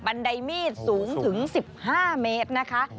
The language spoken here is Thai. ไดมีดสูงถึง๑๕เมตรนะคะ